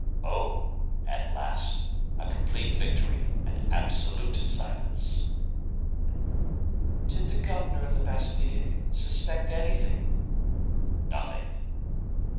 "Oh! at last, a complete victory, and absolute silence." "Did the governor of the Bastile suspect anything?" "Nothing."